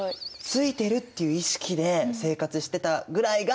ついてるっていう意識で生活してたぐらいが。